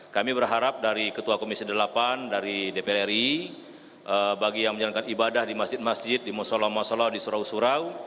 kami berharap dari ketua komisi delapan dari dpr ri bagi yang menjalankan ibadah di masjid masjid di musola musola di surau surau